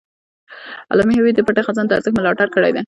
علامه حبيبي د پټه خزانه د ارزښت ملاتړ کړی دی.